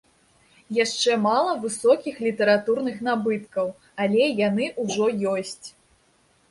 Яшчэ мала высокіх літаратурных набыткаў, але яны ўжо ёсць.